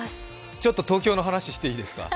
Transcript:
ちょっと東京の話、していいですか？